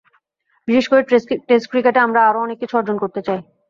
বিশেষ করে টেস্ট ক্রিকেটে আমরা আরও অনেক কিছু অর্জন করতে চাই।